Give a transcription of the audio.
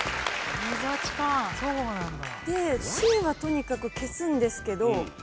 Ｃはとにかく消すんですけど。